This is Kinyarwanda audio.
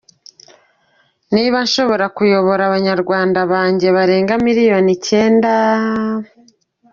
Niba nshobora kuyobora abarwanashaka banjye barenga miliyoni icyenda…”